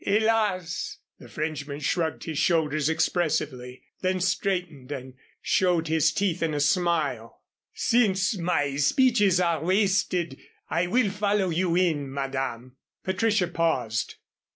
"Hélas!" The Frenchman shrugged his shoulders expressively; then straightened and showed his teeth in a smile. "Since my speeches are wasted, I will follow you in, Madame." Patricia paused.